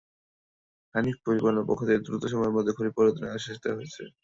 হানিফ পরিবহনের পক্ষ থেকে দ্রুত সময়ের মধ্যে ক্ষতিপূরণের আশ্বাস দেওয়া হয়েছে।